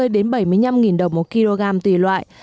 đến bảy mươi năm đồng một kg tùy loại